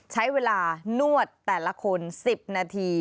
ใช้เวลานวดแต่ละคน๑๐นาที